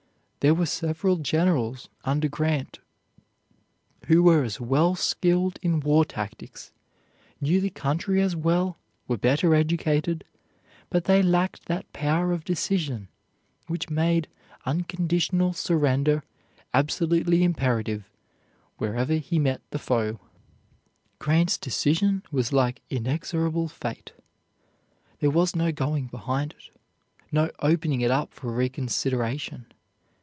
There were several generals under Grant who were as well skilled in war tactics, knew the country as well, were better educated, but they lacked that power of decision which made unconditional surrender absolutely imperative wherever he met the foe. Grant's decision was like inexorable fate. There was no going behind it, no opening it up for reconsideration.